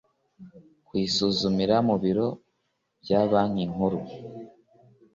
Kuyisuzumira mu biro bya banki nkuru